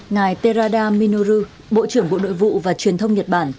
ngài terada minoru bộ trưởng bộ nội vụ và truyền thông nhật bản